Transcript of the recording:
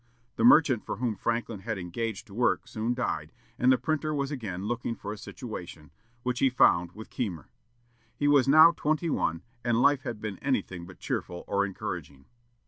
The merchant for whom Franklin had engaged to work soon died, and the printer was again looking for a situation, which he found with Keimer. He was now twenty one, and life had been anything but cheerful or encouraging.